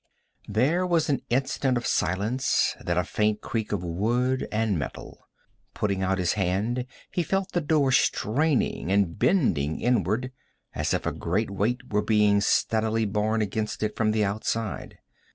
There was an instant of silence, then a faint creak of wood and metal. Putting out his hand he felt the door straining and bending inward, as if a great weight were being steadily borne against it from the outside.